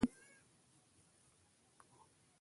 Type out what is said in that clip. زه بو کور ته لوړ شم.